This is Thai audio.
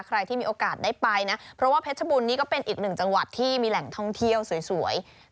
ใครที่มีโอกาสได้ไปนะเพราะว่าเพชรบูรณนี้ก็เป็นอีกหนึ่งจังหวัดที่มีแหล่งท่องเที่ยวสวย